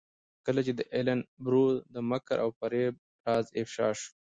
کله چې د ایلن برو د مکر او فریب راز افشا شو.